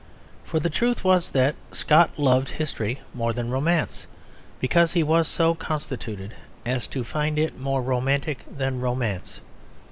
For the truth was that Scott loved history more than romance, because he was so constituted as to find it more romantic than romance.